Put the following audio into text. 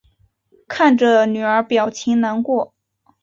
看着女儿表情难过